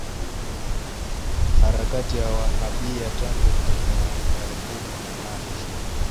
harakati ya Wahabiya tangu karne ya ya kumi na nane